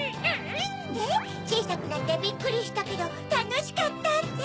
「ちいさくなってビックリしたけどたのしかった」って？